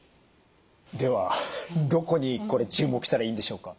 ではどこにこれ注目したらいいんでしょうか？